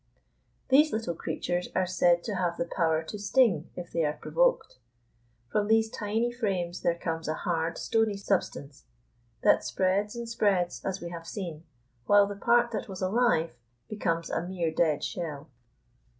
These little creatures are said to have the power to sting if they are provoked. From these tiny frames there comes a hard, stony substance that spreads and spreads as we have seen, while the part that was alive becomes a mere dead shell.